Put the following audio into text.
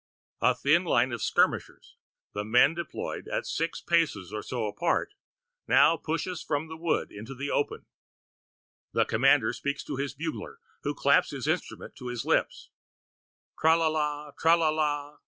A thin line of skirmishers, the men deployed at six paces or so apart, now pushes from the wood into the open. The commander speaks to his bugler, who claps his instrument to his lips. Tra la la! Tra la la!